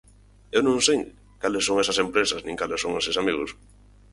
Eu non sei cales son esas empresas nin cales son eses amigos.